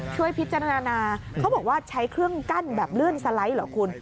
ช่วยพิจารณาเขาบอกว่าใช้เครื่องกั้นแบบเลื่อนสไลด์เหรอคุณ